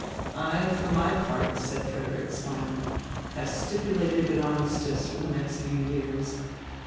"I for my part," said Frederick, smiling, "have stipulated an armistice for the next few years.